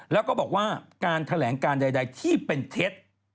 แล้วก็บอกว่าการแถลงการใดที่เป็นเท็จ